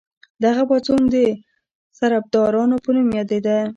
دغه پاڅون د سربدارانو په نوم یادیده.